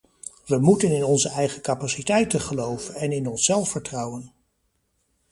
We moeten in onze eigen capaciteiten geloven en in onszelf vertrouwen.